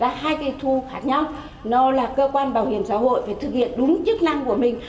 và hai cái thu khác nhau nó là cơ quan bảo hiểm xã hội phải thực hiện đúng chức năng của mình